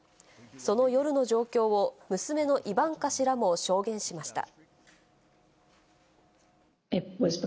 その夜の状況を娘のイバンカ氏らも証言しました。